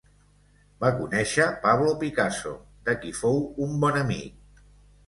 Va conèixer Pablo Picasso, de qui fou un bon amic.